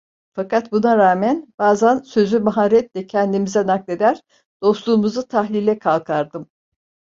Fakat buna rağmen, bazan sözü maharetle kendimize nakleder, dostluğumuzu tahlile kalkardım.